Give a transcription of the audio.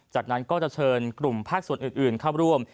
จากนั้นก็จะเชิญกลุ่มภาคส่วนอื่นเข้าร่วม